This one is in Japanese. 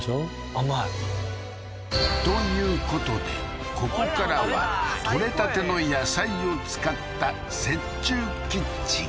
甘いということでここからは採れたての野菜を使った雪中キッチン